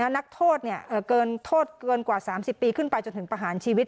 นักโทษเกินโทษเกินกว่า๓๐ปีขึ้นไปจนถึงประหารชีวิต